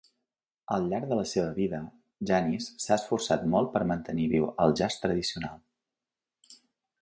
Al llarg de la seva vida, Janis s'ha esforçat molt per mantenir viu el jazz tradicional.